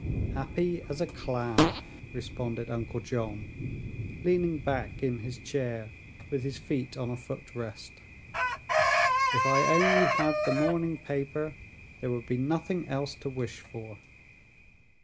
"Happy as a clam," responded Uncle John, leaning back in his chair with his feet on a foot rest. "If I only had the morning paper there would be nothing else to wish for."